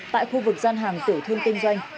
tại khu vực gian hàng tỉu thương kinh doanh